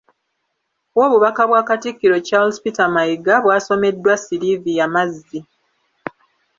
Bwo obubaka bwa Katikkiro Charles Peter Mayiga bwasomeddwa Sylivia Mazzi.